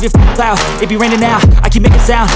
katanya sakit karena keracunan om